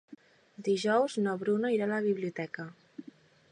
Dijous na Bruna irà a la biblioteca.